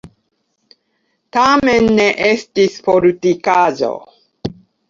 Tamen ne estis fortikaĵo.